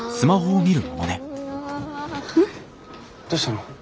どうしたの？